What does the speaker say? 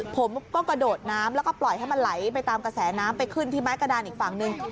ผมก็กระโดดน้ำแล้วก็ปล่อยให้มันไหลไปตามกระแสน้ำไปขึ้นที่ไม้กระดานอีกฝั่งหนึ่ง